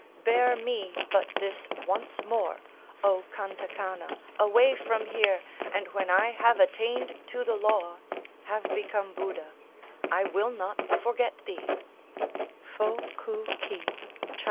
Bear me but this once more, O Kantakana, away from here, and when I have attained to the Law (have become Buddha) I will not forget thee" (Foe Koue Ki, trad.